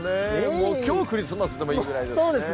もう、きょうクリスマスでもいいぐらいですね。